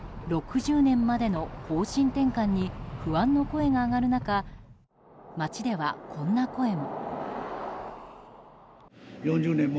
６０年までの方針転換に不安の声が上がる中町では、こんな声も。